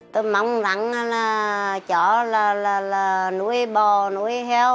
theo bức ảnh cháu vui vẻ là nụi bò nụi heo